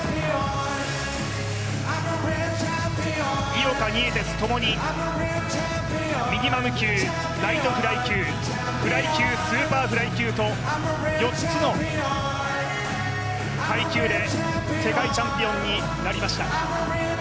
井岡、ニエテス共にミニマム級、ライトフライ級、フライ級、スーパーフライ級と４つの階級で世界チャンピオンになりました。